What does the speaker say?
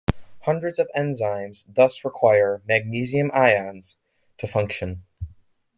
Hundreds of enzymes thus require magnesium ions to function.